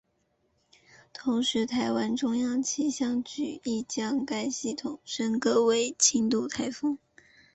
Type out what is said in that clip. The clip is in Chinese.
同时台湾中央气象局亦将该系统升格为轻度台风。